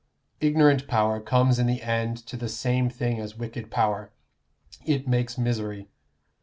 Ignorant power comes in the end to the same thing as wicked power; it makes misery.